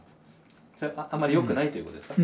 あんまりよくないということですか？